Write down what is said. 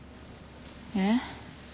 えっ？